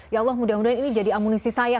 ya allah mudah mudahan ini jadi amunisi saya